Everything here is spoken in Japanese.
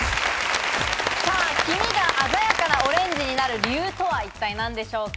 黄身が鮮やかなオレンジになる理由とは一体何でしょうか？